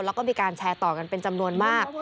แล้วก็มีการแชร์ต่อกันเป็นจำนวนมาก